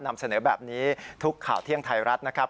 นำเสนอแบบนี้ทุกข่าวเที่ยงไทยรัฐนะครับ